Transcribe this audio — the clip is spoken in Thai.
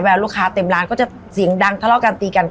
ลูกค้าเต็มร้านก็จะเสียงดังทะเลาะกันตีกัน